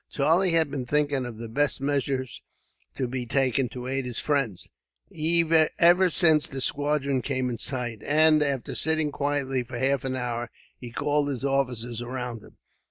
Charlie had been thinking of the best measures to be taken, to aid his friends, ever since the squadron came in sight; and, after sitting quietly for half an hour, he called his officers around him.